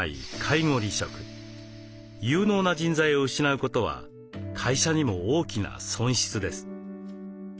有能な人材を失うことは会社にも大きな損失です。